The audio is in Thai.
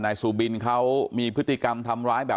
นางมอนก็บอกว่า